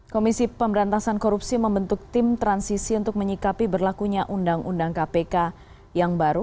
komisi pemberantasan korupsi membentuk tim transisi untuk menyikapi berlakunya undang undang kpk yang baru